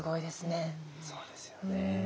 そうですよね。